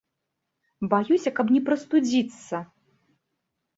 Баюся, каб не прастудзіцца.